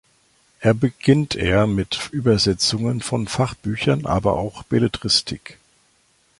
Er beginnt er mit Übersetzungen von Fachbüchern aber auch Belletristik.